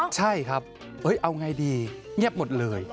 ใช่ครับเอ้ยเอาง่ายดีเงียบหมดเลย